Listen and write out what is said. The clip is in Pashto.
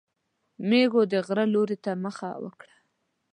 مېزو د غره لوري ته مخه وکړه.